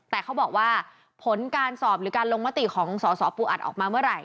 แต่เขาบอกว่าผลการสอบหรือการลงมติของสสปูอัดออกมาเมื่อไหร่